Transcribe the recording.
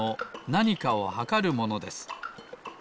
なにかをはかるものです。